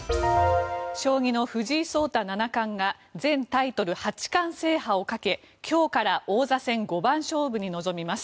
将棋の藤井聡太七冠が全タイトル八冠制覇をかけ今日から王座戦五番勝負に臨みます。